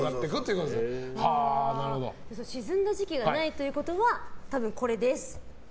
沈んだ時期がないということは多分これです。